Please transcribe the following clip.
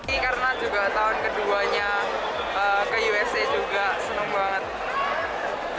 ini karena juga tahun keduanya ke usa juga senang banget